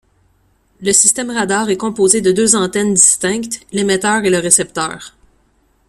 Le système radar est composé de deux antennes distinctes, l'émetteur et le récepteur.